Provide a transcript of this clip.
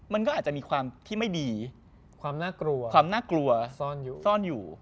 เป็นความที่ไม่ดีความน่ากลัวต้องอยู่